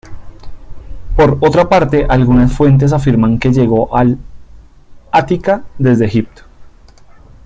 Por otra parte, algunas fuentes afirman que llegó al Ática desde Egipto.